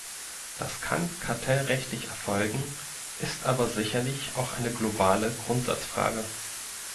Das kann kartellrechtlich erfolgen, ist aber sicherlich auch eine globale Grundsatzfrage.